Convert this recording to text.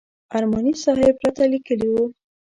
ارماني صاحب راته لیکلي و.